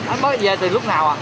anh mới về từ lúc nào ạ